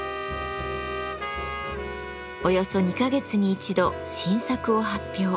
およそ２か月に１度新作を発表。